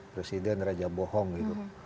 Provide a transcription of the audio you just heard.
presiden raja bohong gitu